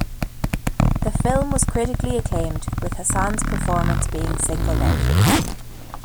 The film was critically acclaimed, with Haasan's performance being singled out.